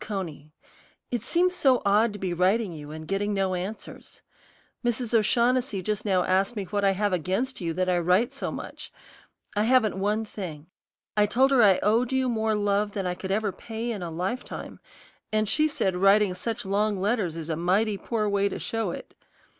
CONEY, It seems so odd to be writing you and getting no answers. Mrs. O'Shaughnessy just now asked me what I have against you that I write you so much. I haven't one thing. I told her I owed you more love than I could ever pay in a lifetime, and she said writing such long letters is a mighty poor way to show it.